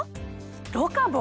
ロカボ